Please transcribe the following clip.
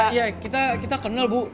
iya kita kenal bu